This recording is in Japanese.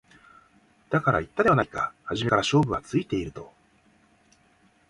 だから言ったではないか初めから勝負はついていると